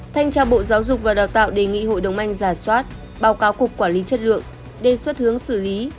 thanh tra bộ giáo dục và đào tạo đề nghị hội đồng anh giả soát báo cáo cục quản lý chất lượng đề xuất hướng xử lý